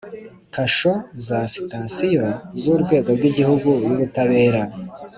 kasho za Sitasiyo z Urwego rw Igihugu y Ubutabera